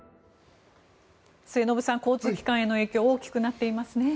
末延さん交通機関への影響が大きくなっていますね。